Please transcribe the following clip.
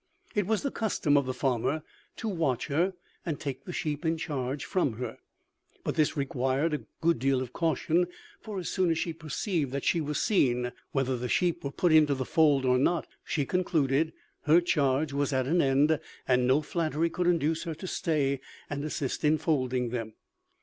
It was the custom of the farmer to watch her and take the sheep in charge from her: but this required a good deal of caution; for as soon as she perceived that she was seen, whether the sheep were put into the fold or not, she concluded her charge was at an end, and no flattery could induce her to stay and assist in folding them.